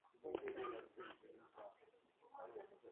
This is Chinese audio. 大花嵩草为莎草科嵩草属下的一个种。